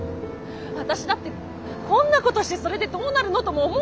私だってこんなことしてそれでどうなるのとも思うよ。